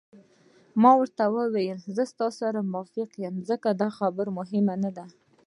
ما ورته وویل: ستاسي سره موافق یم، ځکه دا خبرې مهمې نه دي.